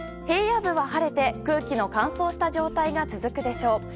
平野部は晴れて空気の乾燥した状態が続くでしょう。